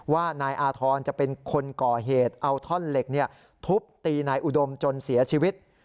ว่านายอาธรณ์จะเป็นคนก่อเหตุเอาท่อนเหล็กทุบตีนายอุดมจนเสียชีวิต